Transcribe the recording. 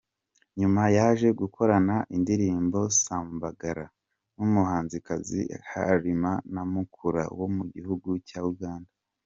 Nyuma yaje gukorana indirimbo Sambagala n’umuhanzikazi Halima Namakula wo mu gihugu cya Uganda.